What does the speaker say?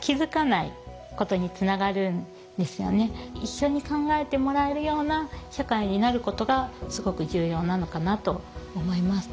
一緒に考えてもらえるような社会になることがすごく重要なのかなと思います。